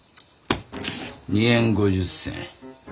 ２円５０銭？